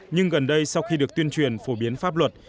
nhưng gần đây sau khi được tuyên truyền phổ biến pháp luật